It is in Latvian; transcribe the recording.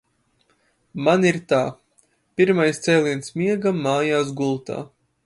Man ir tā – pirmais cēliens miegam mājās gultā.